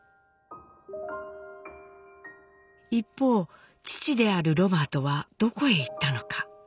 一方父であるロバートはどこへ行ったのか。